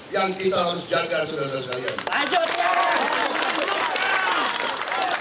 yang kita harus jaga